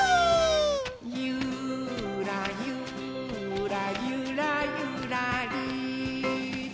「ゆーらゆーらゆらゆらりー」